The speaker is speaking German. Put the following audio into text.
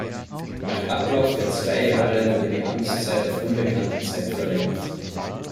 Nach Ablauf der zwei Jahre wurde die Amtszeit auf unbekannte Zeit verlängert.